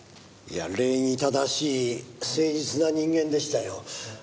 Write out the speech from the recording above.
いや礼儀正しい誠実な人間でしたよ。